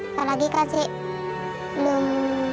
apalagi kasih belum